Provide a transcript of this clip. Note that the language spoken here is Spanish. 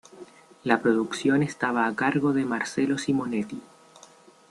La producción estaba a cargo de Marcelo Simonetti.